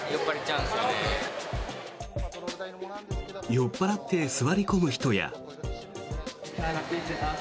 酔っ払って座り込む人や。